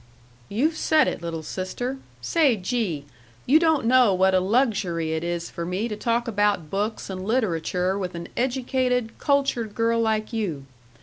"You've said it, little sister.... Say, gee! you don't know what a luxury it is for me to talk about books and literature with an educated, cultured girl like you.